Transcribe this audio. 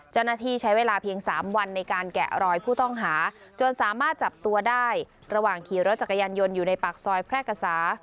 เจ้าหน้าที่ใช้เวลาเพียง๓วันในการแกะรอยผู้ต้องหาจนสามารถจับตัวได้ระหว่างขี่รถจักรยานยนต์อยู่ในปากซอยแพร่กษา